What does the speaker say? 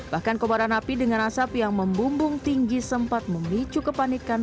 bahkan kebaran api dengan asap yang membumbung tinggi sempat memicu kepanikan